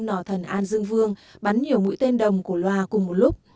nỏ thần an dương vương bắn nhiều mũi tên đồng của loa cùng một lúc